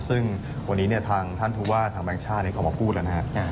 ซึ่งตอนนี้ท่านธุวาศก็มาพูดแล้วนะครับ